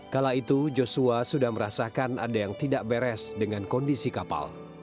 kala itu joshua sudah merasakan ada yang tidak beres dengan kondisi kapal